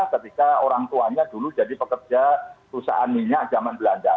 ketika orang tuanya dulu jadi pekerja perusahaan minyak zaman belanda